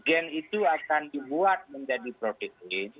gen itu akan dibuat menjadi profitling